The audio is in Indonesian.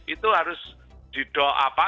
itu harus di doa apa